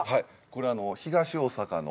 これ東大阪の。